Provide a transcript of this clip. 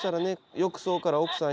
浴槽から奥さん